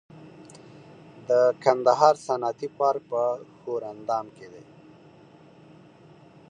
د کندهار صنعتي پارک په ښوراندام کې دی